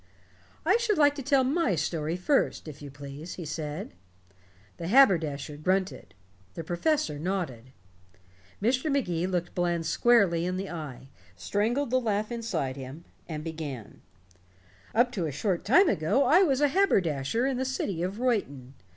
"I should like to tell my story first, if you please," he said. The haberdasher grunted. The professor nodded. Mr. Magee looked Bland squarely in the eye, strangled the laugh inside him, and began: "Up to a short time ago I was a haberdasher in the city of Reuton.